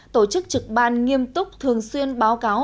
tổ chức trực ban nghiêm túc thường xuyên báo cáo